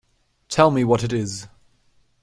Tell me what it is.